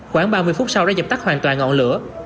khoảng ba mươi phút sau đã dập tắt hoàn toàn ngọn lửa